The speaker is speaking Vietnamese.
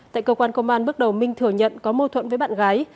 tại cơ quan công an bước đầu minh thừa nhận có mô thuận với bạn gái